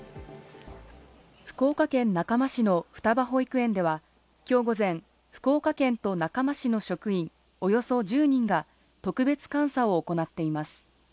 福岡県中間市の双葉保育園では、きょう午前９時半頃、福岡県と中間市の職員およそ１０人が特別監査を行っています。